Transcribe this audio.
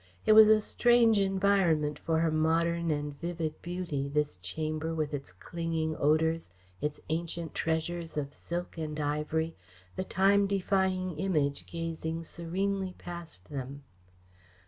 It was a strange environment for her modern and vivid beauty, this chamber with its clinging odours, its ancient treasures of silk and ivory, the time defying Image gazing serenely past them.